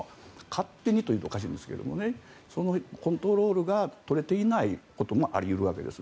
勝手にというとおかしいんですがコントロールが取れていないこともあり得るわけです。